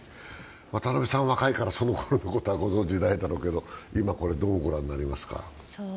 渡部さん、若いからその頃のことはご存じないだろうけど今これ、どう御覧になりますか？